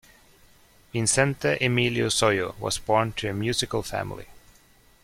Vicente Emilio Sojo was born to a musical family.